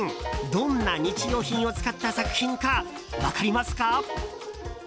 どんな日用品を使った作品か分かりますか？